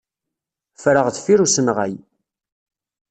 Ffreɣ deffir usenɣay.